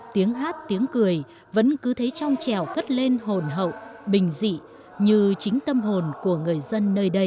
tiếng hát tiếng cười vẫn cứ thấy trong trèo cất lên hồn hậu bình dị như chính tâm hồn của người dân nơi đây